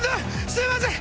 すいません。